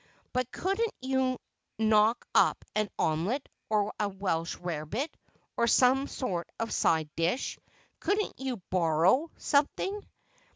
"But couldn't you knock up an omelet, or a Welsh rarebit, or some sort of a side dish? Couldn't you borrow something?"